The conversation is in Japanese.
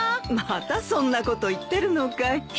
またそんなこと言ってるのかい。